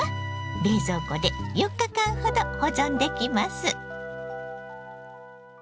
冷蔵庫で４日間ほど保存できます。